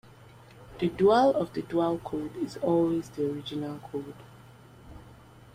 The dual of the dual code is always the original code.